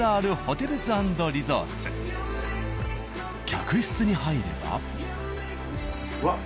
客室に入れば。